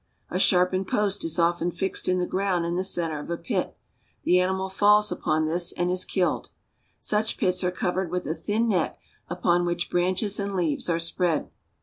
A sharpened post is often fixed in the ground in the center of a pit. The animal falls upon this and is killed. Such pits are covered with a thin net, upon which branches and leaves are spread.